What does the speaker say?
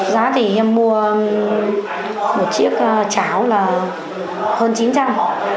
giá thì em mua một chiếc cháo là hơn chín trăm linh